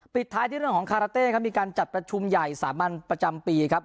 ปิดท้ายที่เรื่องของคาราเต้ครับมีการจัดประชุมใหญ่สามัญประจำปีครับ